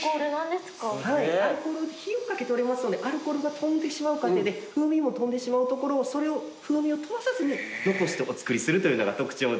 はいアルコールを火をかけておりますのでアルコールが飛んでしまう過程で風味も飛んでしまうところをそれを風味を飛ばさずに残してお作りするというのが特徴でして。